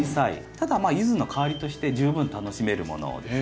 ただユズの代わりとして十分楽しめるものです。